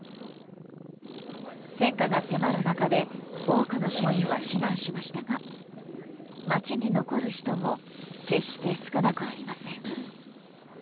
戦火が迫る中で多くの市民は避難しましたが街に残る人も決して少なくありません。